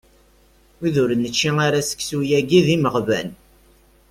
Wid ur nečči ara seksu-yagi d imeɣban.